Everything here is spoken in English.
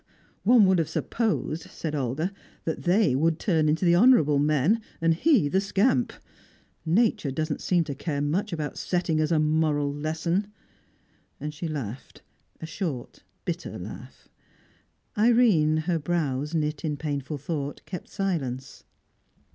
"One would have supposed," said Olga, "that they would turn into the honourable men, and he the scamp. Nature doesn't seem to care much about setting us a moral lesson." And she laughed a short, bitter laugh. Irene, her brows knit in painful thought, kept silence.